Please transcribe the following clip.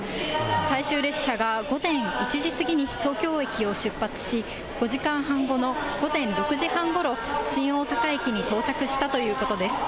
最終列車が午前１時過ぎに東京駅を出発し、５時間半後の午前６時半ごろ、新大阪駅に到着したということです。